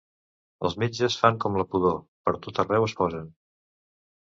Els metges fan com la pudor: pertot arreu es posen.